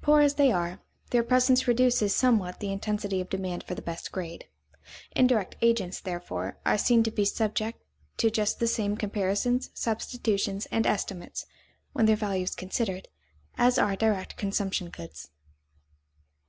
Poor as they are, their presence reduces somewhat the intensity of demand for the best grade. Indirect agents, therefore, are seen to be subject to just the same comparisons, substitutions, and estimates, when their value is considered, as are direct consumption goods.